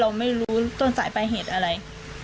เรารู้อยู่